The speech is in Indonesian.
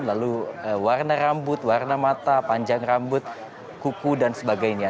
lalu warna rambut warna mata panjang rambut kuku dan sebagainya